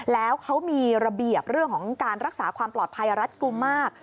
แล้วเขามีระเบียบเรื่องของการรักษาความปลอดภัยรัดกลุ่มมาก